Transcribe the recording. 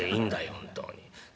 本当に。